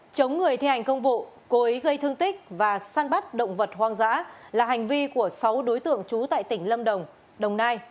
chống người thi hành công vụ cố ý gây thương tích và săn bắt động vật hoang dã là hành vi của sáu đối tượng trú tại tỉnh lâm đồng đồng nai